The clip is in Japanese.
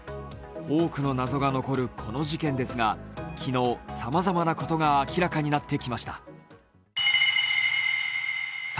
多くの謎が残るこの事件ですが、昨日、さまざまなことが明らかになってきました。